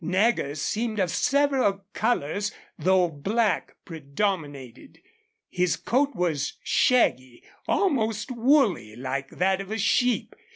Nagger seemed of several colors, though black predominated. His coat was shaggy, almost woolly, like that of a sheep.